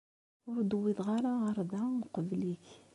Ur d-wwiḍeɣ ara ɣer da uqbel-ik.